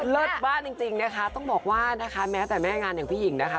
เลิศมากจริงนะคะต้องบอกว่านะคะแม้แต่แม่งานอย่างพี่หญิงนะคะ